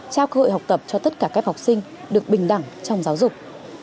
trao cơ hội học tập cho tất cả các học sinh được bình đẳng trong giáo dục